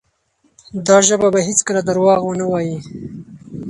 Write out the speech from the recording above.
دا ژبه به هیڅکله درواغ ونه وایي.